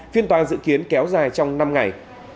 phiên toàn dự kiến kéo dài trong năm ngày